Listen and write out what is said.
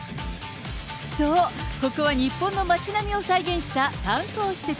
そう、ここは日本の街並みを再現した観光施設。